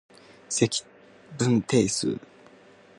積分定数